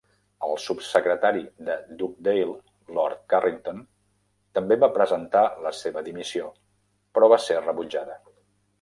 El subsecretari de Dugdale, Lord Carrington, també va presentar la seva dimissió, però va ser rebutjada.